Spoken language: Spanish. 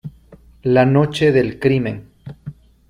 La Noche del Crimen